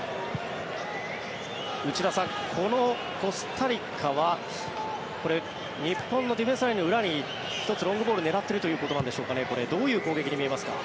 内田さん、このコスタリカは日本のディフェンスラインの裏に１つロングボールを狙っているということでしょうかどういう攻撃に見えますか？